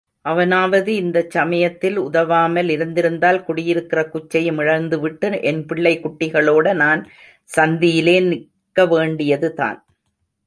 அவனாவது இந்தச் சமயத்திலே உதவாமல் இருந்திருந்தால் குடியிருக்கிற குச்சையும் இழந்துவிட்டு என் பிள்ளைகுட்டிகளோட நான் சந்தியிலே நிற்கவேண்டியதுதான்.